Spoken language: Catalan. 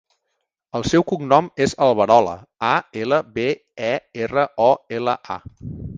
El seu cognom és Alberola: a, ela, be, e, erra, o, ela, a.